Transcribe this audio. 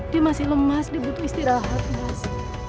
dia masih lemas dia butuh istirahat mas